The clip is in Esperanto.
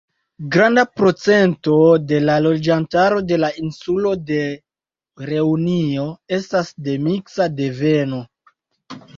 Granda procento de la loĝantaro de la insulo de Reunio estas de miksa deveno.